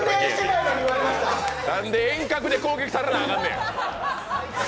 なんで遠隔で攻撃されなあかんねん。